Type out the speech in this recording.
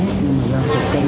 chụp chân chụp chân chụp chân